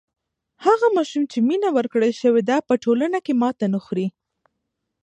هغه ماشوم چې مینه ورکړل سوې ده په ټولنه کې ماتی نه خوری.